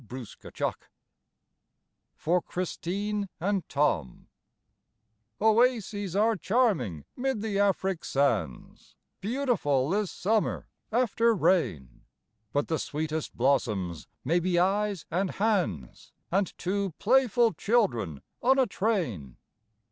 ON A TRAIN (For Christine and Tom) Oases are charming 'mid the Afric sands, Beautiful is summer after rain; But the sweetest blossoms may be eyes and hands, And two playful children on a train.